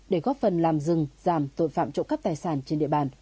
để góp phần làm dừng giảm tội phạm trộm các tài sản trên địa bàn